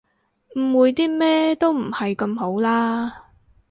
誤會啲咩都唔係咁好啦